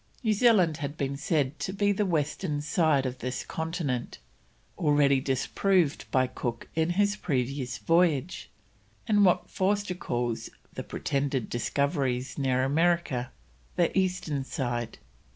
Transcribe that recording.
New Zealand had been said to be the western side of this continent (already disproved by Cook in his previous voyage), and what Forster calls "the pretended discoveries near America," the eastern side.